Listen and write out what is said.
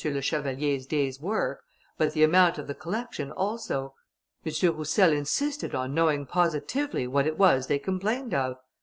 le Chevalier's day's work, but the amount of the collection also. M. Roussel insisted on knowing positively what it was they complained of.